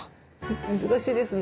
難しいですね。